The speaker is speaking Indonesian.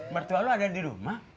mertua lu ada di rumah